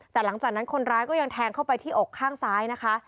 แต่หลังจากนั้นคนร้ายก็ยังแทงเข้าไปที่อกข้างซ้ายนะคะ